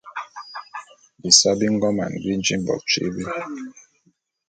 Bisae bi ngoman bi nji bo tîbi.